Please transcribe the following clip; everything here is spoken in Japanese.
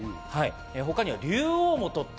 他には竜王も取って、